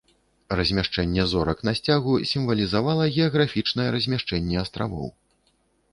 Размяшчэнне зорак на сцягу сімвалізавала геаграфічнае размяшчэнне астравоў.